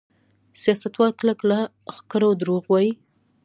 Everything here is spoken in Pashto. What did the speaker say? سیاستوال کله کله ښکرور دروغ وايي.